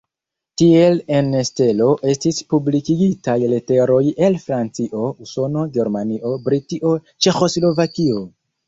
Tiel en "Stelo" estis publikigitaj leteroj el Francio, Usono, Germanio, Britio, Ĉeĥoslovakio.